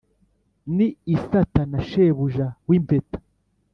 ni isata na shebuja w’impeta